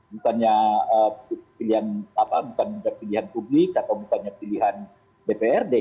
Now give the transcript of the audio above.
bukannya pilihan publik atau bukannya pilihan dprd